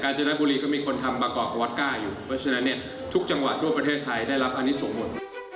กาญจนบุรีก็มีคนทำบากอกวัดกล้าอยู่เพราะฉะนั้นทุกจังหวะทั่วประเทศไทยได้รับอันนี้ส่งหมด